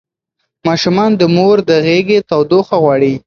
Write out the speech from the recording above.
ماشومان د مور د غېږې تودوخه غواړي.